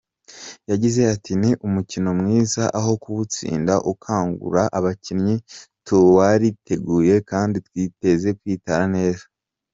Yagize ati “Ni umukino mwiza, aho kuwutsinda ukangura abakinnyi, tuwariteguye kandi twizeye kwitwara neza.